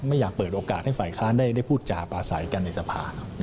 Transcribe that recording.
ไม่อยากเปิดโอกาสให้ฝ่ายค้านได้พูดจาปลาใสกันในสภา